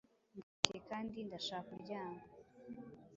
Ndarushye, kandi ndashaka kuryama.